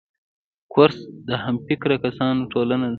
کورس د همفکره کسانو ټولنه ده.